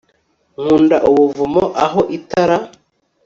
Nkunda ubuvumo aho itara